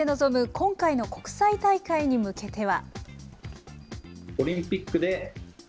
今回の国際大会に向けては。